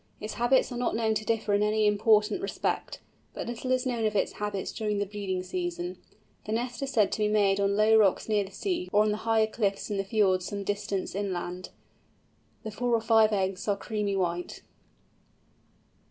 Its habits are not known to differ in any important respect. But little is known of its habits during the breeding season. The nest is said to be made on low rocks near the sea, or on higher cliffs in the fjords some distance inland. The four or five eggs are creamy white.